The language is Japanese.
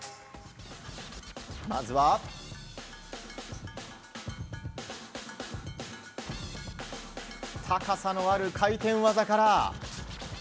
まずは高さのある回転技から。